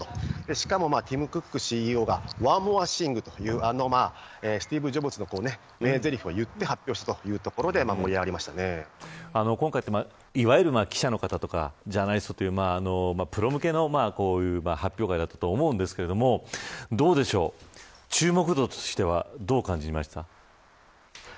しかもティム・クックＣＥＯがＯｎｅｍｏｒｅｔｈｉｎｇというスティーブ・ジョブズの名ゼリフを行って発表したというところでいわゆる記者の方とかジャーナリスト、プロ向けの発表会だったと思いますが注目度としてはどう感じましたか。